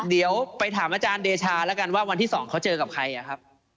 เดี๋ยวไปถามอาจารย์เดชาแล้วกันว่าวันที่๒เขาเจอกับใครครับ